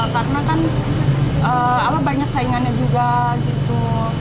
karena kan banyak saingannya juga gitu